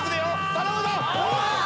頼むぞ！